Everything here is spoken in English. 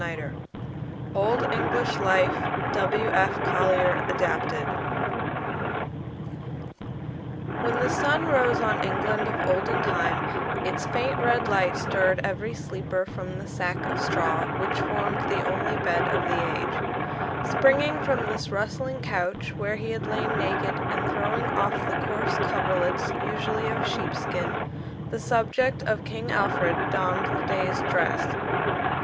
BRYANT OLD ENGLISH LIFE When the sun rose on England of olden time, its faint red light stirred every sleeper from the sack of straw, which formed the only bed of the age. Springing from this rustling couch, where he had lain naked, and throwing off the coarse coverlets, usually of sheepskin, the subject of King Alfred donned the day's dress.